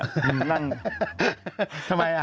ทำไมอะ